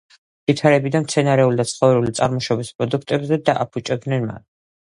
ვითარდებიან მცენარეული და ცხოველური წარმოშობის პროდუქტებზე და აფუჭებენ მათ.